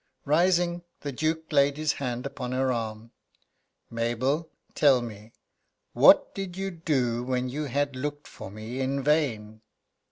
Rising, the Duke laid his hand upon her arm: "Mabel, tell me what did you do when you had looked for me in vain?"